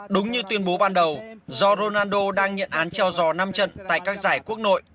đúng như tuyên bố ban đầu do ronaldo đang nhận án treo giò năm trận tại các giải quốc nội